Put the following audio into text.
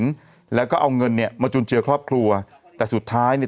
หลังแล้วก็เอาเงินเนี้ยมาจุนเจือครอบครัวแต่สุดท้ายเนี่ย